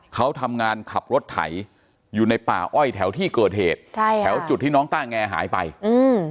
เขาทำงานขับรถไถอยู่ในป่าอ้อยแถวที่เกิดเหตุใช่ค่ะแถวจุดที่น้องต้าแงหายไปอืม